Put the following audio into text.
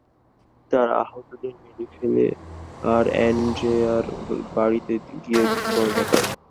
তারা আহতদের মেরে ফেলে, আর আন্দ্রেয়ার বাড়িতে গিয়ে বিস্ফোরণ ঘটায়।